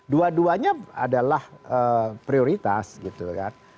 dua duanya adalah prioritas gitu kan